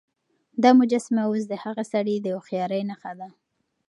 دا مجسمه اوس د هغه سړي د هوښيارۍ نښه ده.